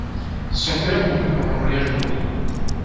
Son père mourut pendant le voyage de retour.